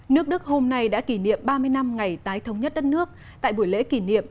nước đức hôm nay đã kỷ niệm ba mươi năm ngày tái thống nhất đất nước tại buổi lễ kỷ niệm